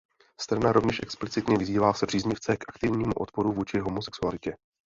Strana rovněž explicitně vyzývá své příznivce k aktivnímu odporu vůči homosexualitě.